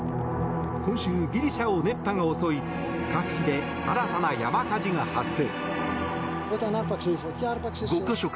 今週、ギリシャを熱波が襲い各地で新たな山火事が発生。